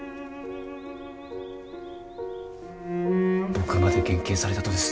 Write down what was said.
僕まで減刑されたとです。